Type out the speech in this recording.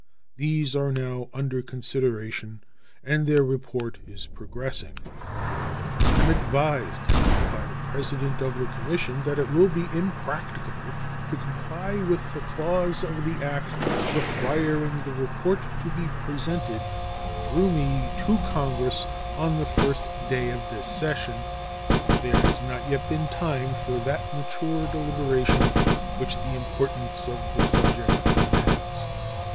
These are now under consideration, and their report is progressing. I am advised, though, by the president of the commission that it will be impracticable to comply with the clause of the act requiring the report to be presented, through me, to Congress on the first day of this session, as there has not yet been time for that mature deliberation which the importance of the subject demands.